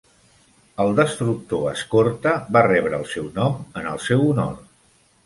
El destructor escorta va rebre el seu nom en el seu honor.